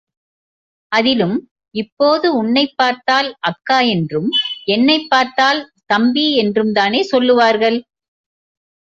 அதிலும் இப்போது உன்னைப் பார்த்தால் அக்கா என்றும், என்னைப் பார்த்தால் தம்பி என்றும்தானே சொல்லுவார்கள்?